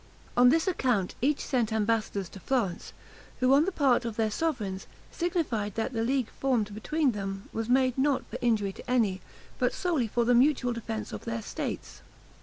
On this account each sent ambassadors to Florence, who, on the part of their sovereigns, signified that the league formed between them was made not for injury to any, but solely for the mutual defense of their states.